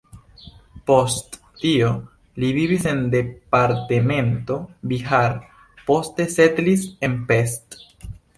Post tio, li vivis en departemento Bihar, poste setlis en Pest.